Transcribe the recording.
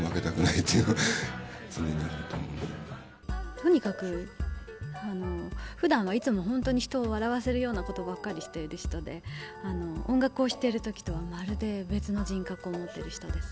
とにかくふだんはいつもほんとに人を笑わせるようなことばっかりしている人で音楽をしている時とはまるで別の人格を持ってる人です。